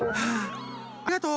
ありがとう。